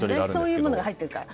そういうものが入っているから。